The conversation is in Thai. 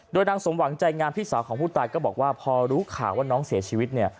โดยนางสมหวังใจงามพี่สาวของผู้ตายก็บอกว่าพอรู้ข่าวว่าน้องเสียชีวิตเนี่ย